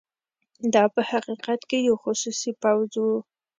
دا په حقیقت کې یو خصوصي پوځ وو.